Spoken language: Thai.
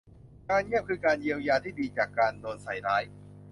การเงียบคือการเยียวยาที่ดีจากการโดนใส่ร้าย